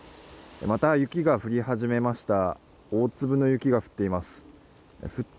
また雪が降り始めました。